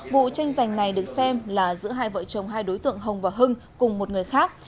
vụ tranh giành này được xem là giữa hai vợ chồng hai đối tượng hồng và hưng cùng một người khác